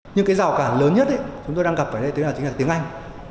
nhưng cái rào cản lớn nhất chúng tôi đang gặp ở đây chính là tiếng anh